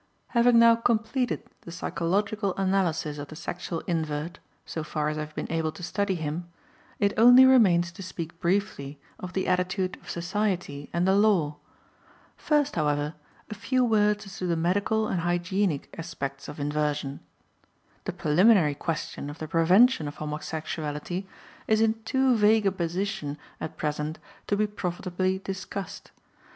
Having now completed the psychological analysis of the sexual invert, so far as I have been able to study him, it only remains to speak briefly of the attitude of society and the law. First, however, a few words as to the medical and hygienic aspects of inversion. The preliminary question of the prevention of homosexuality is in too vague a position at present to be profitably discussed.